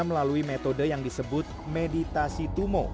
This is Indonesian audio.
melalui metode yang disebut meditasi tumo